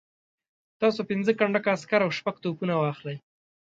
تاسو پنځه کنډکه عسکر او شپږ توپونه واخلئ.